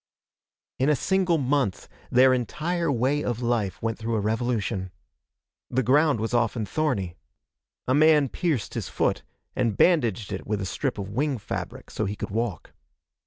In a single month their entire way of life went through a revolution. The ground was often thorny. A man pierced his foot, and bandaged it with a strip of wing fabric so he could walk.